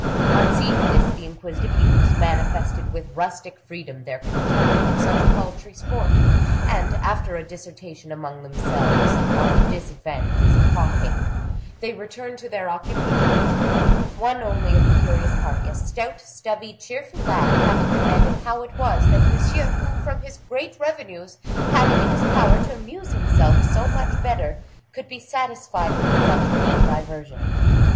On seeing this, the inquisitive youths manifested with rustic freedom their contempt for such paltry sport, and, after a dissertation among themselves upon the disadvantages of hawking, they returned to their occupations; one only of the curious party, a stout, stubby, cheerful lad, having demanded how it was that Monsieur, who, from his great revenues, had it in his power to amuse himself so much better, could be satisfied with such mean diversions.